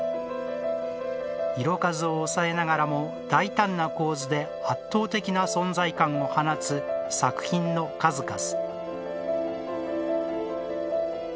色数を抑えながらも大胆な構図で、圧倒的な存在感を放つ、作品の数々。